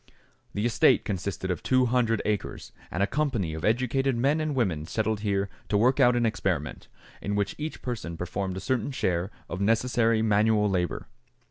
The estate consisted of two hundred acres, and a company of educated men and women settled here to work out an experiment, in which each person performed a certain share of necessary manual labor.